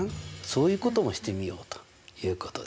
そういうこともしてみようということです。